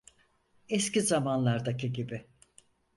Eski zamanlardaki gibi.